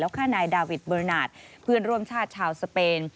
ฆ่านายดาวิทเบอร์นาทเพื่อนร่วมชาติชาวสเปน